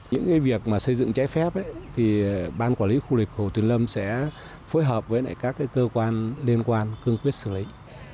những việc mà xây dựng trái phép thì ban quản lý khu du lịch hồ tuyền lâm sẽ phối hợp với các cơ quan liên quan cương quyết xử lý